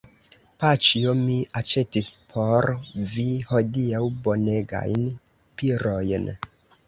Paĉjo, mi aĉetis por vi hodiaŭ bonegajn pirojn.